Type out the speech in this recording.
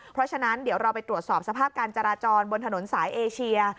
เพราะฉะนั้นเดี๋ยวเราไปตรวจสอบสภาพการจราจรบนถนนสายเอเชีย